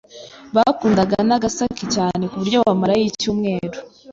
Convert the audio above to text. Bakundaga Nagasaki cyane ku buryo bamarayo icyumweru.